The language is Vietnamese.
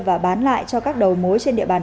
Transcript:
và bán lại cho các đầu mối trên địa bàn